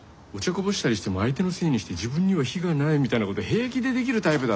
こぼしたりしても相手のせいにして自分には非がないみたいなこと平気でできるタイプだぞ。